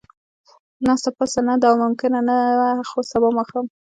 ناسته پاسته، نه دا ممکنه نه وه، خو سبا ماښام.